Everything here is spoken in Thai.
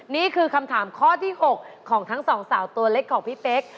นี่คือคำถามข้อที่๖ของทั้งสองสาวตัวเล็กของพี่เป๊ก